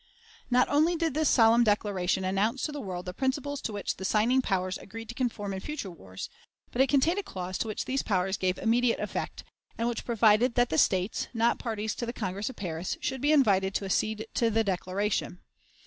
Not only did this solemn declaration announce to the world the principles to which the signing powers agreed to conform in future wars, but it contained a clause to which these powers gave immediate effect, and which provided that the states, not parties to the Congress of Paris, should be invited to accede to the declaration.